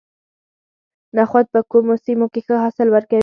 نخود په کومو سیمو کې ښه حاصل ورکوي؟